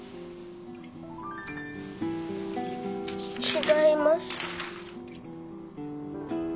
違います。